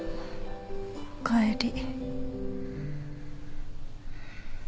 おかえり。